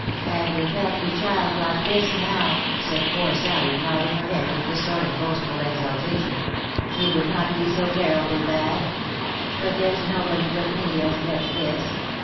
" Had your factory child got this now," said poor Sally, nodding her head with a sort of boastful exultation, " she would not be so terrible bad. But there's nobody but me as gets this.